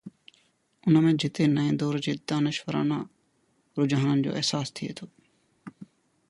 ان ۾ جتي نئين دور جي دانشورانه رجحانن جو احساس ٿئي ٿو.